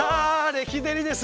レキデリです！